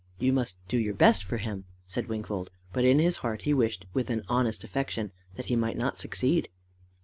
"You must do your best for him," said Wingfold, but in his heart he wished, with an honest affection, that he might not succeed.